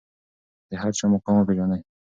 د هر چا مقام وپیژنئ.